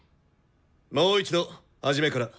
もう一度始めから。